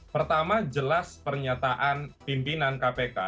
pertama jelas pernyataan pimpinan kpk